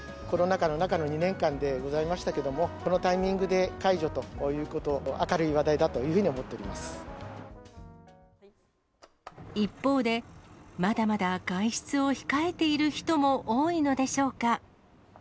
コロナ禍の中の２年間でございましたけども、このタイミングで解除ということ、明るい話題だというふうに思って一方で、まだまだ外出を控えている人も多いのでしょうか。